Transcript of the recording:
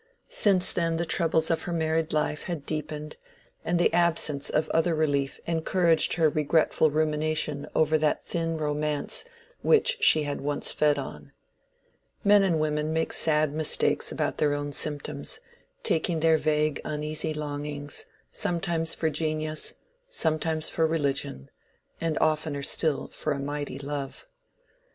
Since then the troubles of her married life had deepened, and the absence of other relief encouraged her regretful rumination over that thin romance which she had once fed on. Men and women make sad mistakes about their own symptoms, taking their vague uneasy longings, sometimes for genius, sometimes for religion, and oftener still for a mighty love.